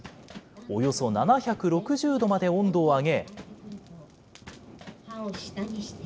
およそ７６０度まで温度を上げ。